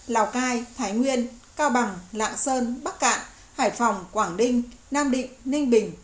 lào cai thái nguyên cao bằng lạng sơn bắc cạn hải phòng quảng ninh nam định ninh bình